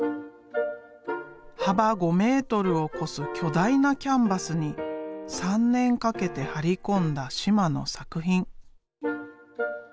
幅５メートルを超す巨大なキャンバスに３年かけて貼り込んだ嶋の作品。